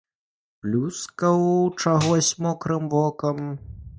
Плюскаў чагось мокрым вокам.